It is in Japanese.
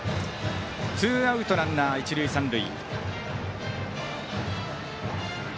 ツーアウト、ランナー、一塁三塁。